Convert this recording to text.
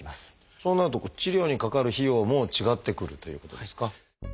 そうなると治療にかかる費用も違ってくるということですか？